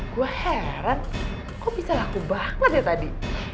gue heran kok bisa laku banget ya tadi